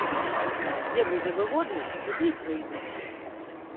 Дзе будзе выгодна туды і прыйдуць.